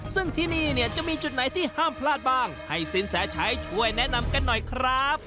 ซึ่งที่นี่เนี่ยจะมีจุดไหนที่ห้ามพลาดบ้างให้สินแสชัยช่วยแนะนำกันหน่อยครับ